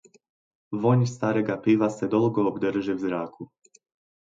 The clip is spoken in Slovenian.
Vonj starega piva se dolgo obdrži v zraku.